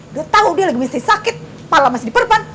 udah tahu dia lagi masih sakit malam masih diperban